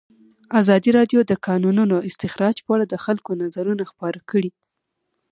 ازادي راډیو د د کانونو استخراج په اړه د خلکو نظرونه خپاره کړي.